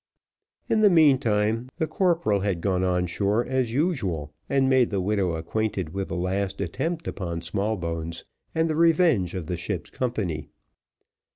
In the meantime, the corporal had gone on shore as usual and made the widow acquainted with the last attempt upon Smallbones, and the revenge of the ship's company.